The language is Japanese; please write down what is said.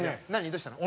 どうしたの？